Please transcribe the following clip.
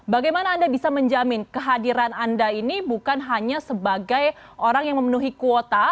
bagaimana anda bisa menjamin kehadiran anda ini bukan hanya sebagai orang yang memenuhi kuota